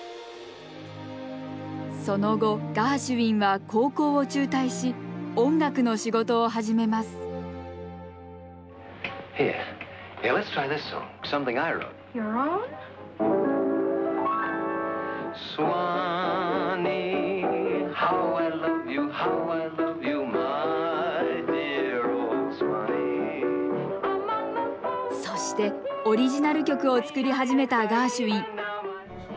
その後ガーシュウィンは高校を中退し音楽の仕事を始めますそしてオリジナル曲を作り始めたガーシュウィン。